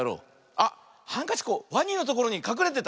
あっハンカチワニのところにかくれてた。